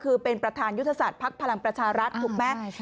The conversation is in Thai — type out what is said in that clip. คือเป็นประธานยุทธศาสตร์ภักดิ์พลังประชารัฐถูกไหม